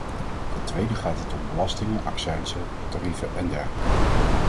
Ten tweede gaat het om belastingen, accijnzen, tarieven en dergelijke.